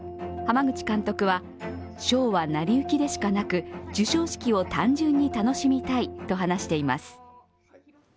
濱口監督は、賞はなりゆきでしかなく、授賞式を単純に楽しみたいと話しています。